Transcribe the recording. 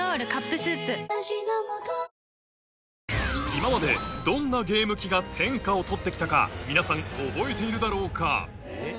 今までどんなゲーム機が天下を取って来たか皆さん覚えているだろうか？